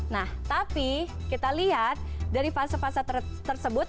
nah tapi kita lihat dari fase fase tersebut